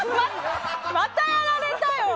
またやられたよ！